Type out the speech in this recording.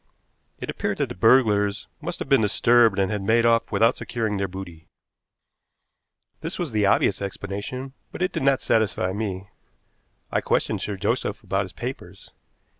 It appeared that the burglars must have been disturbed and had made off without securing their booty. This was the obvious explanation, but it did not satisfy me. I questioned Sir Joseph about his papers.